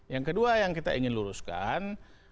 yang kedua yang kita ingin luruskan